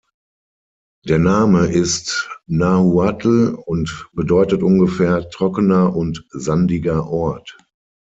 Der Name ist Nahuatl und bedeutet ungefähr „trockener und sandiger Ort“.